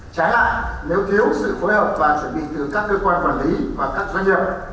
trái nếu thiếu sự phối hợp và chuẩn bị từ các cơ quan quản lý và các doanh nghiệp